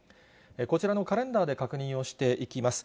こちらのカレンダーで確認をしていきます。